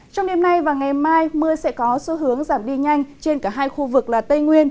trong đêm nay và ngày mai mưa sẽ có xu hướng giảm đi nhanh trên cả hai khu vực là tây nguyên